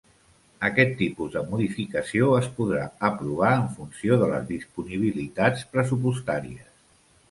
Aquest tipus de modificació es podrà aprovar en funció de les disponibilitats pressupostàries.